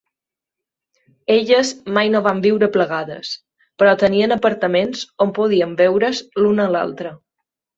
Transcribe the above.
Elles mai no van viure plegades, però tenien apartaments on podien veure's l'una a l'altra.